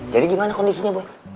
jadi gimana kondisinya boy